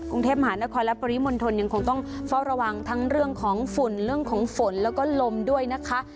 กรุงเทพมหานครและปริมณฑลยังคงต้องเฝ้าระวังทั้งเรื่องของฝุ่นเรื่องของฝนแล้วก็ลมด้วยนะคะ